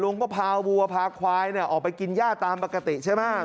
ลุงก็พาวัวพาควายออกไปกินย่าตามปกติใช่ไหม